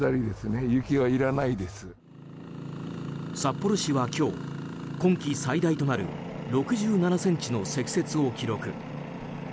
札幌市は今日、今季最大となる６７ｃｍの積雪を記録。